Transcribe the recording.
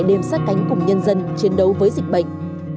đánh cùng nhân dân chiến đấu với dịch bệnh